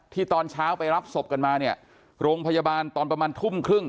ตอนเช้าไปรับศพกันมาเนี่ยโรงพยาบาลตอนประมาณทุ่มครึ่ง